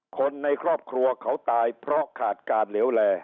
คนในครอบครัวเขาตายเพราะขาดการเหลวแล